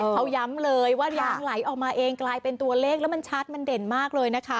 เขาย้ำเลยว่ายางไหลออกมาเองกลายเป็นตัวเลขแล้วมันชัดมันเด่นมากเลยนะคะ